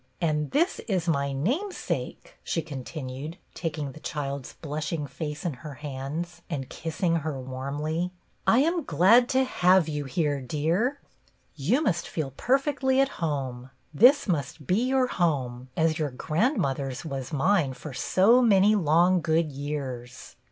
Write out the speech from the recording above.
And this, is my name sake," she continued, taking the child's blushing' face in her hands and kissing her warmly. " I am glad to have you here, dear. 44 BETTY BAIRD You must feel perfectly at home. This must be your home, as your grandmother's was mine for so many long, good years."